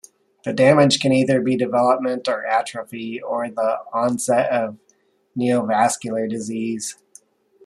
The damage can either be development of atrophy or the onset of neovascular disease.